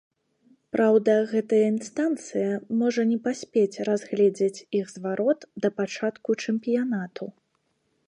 Праўда, гэтая інстанцыя можа не паспець разгледзець іх зварот да пачатку чэмпіянату.